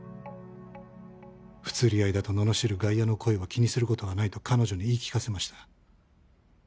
不釣り合いだと罵る外野の声は気にする事はないと彼女に言い聞かせました。